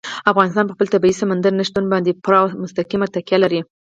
افغانستان په خپل طبیعي سمندر نه شتون باندې پوره او مستقیمه تکیه لري.